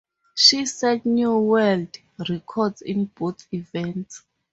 She set new world records in both events.